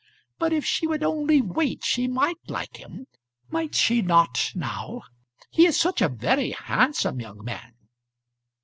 "But if she would only wait she might like him, might she not now? He is such a very handsome young man."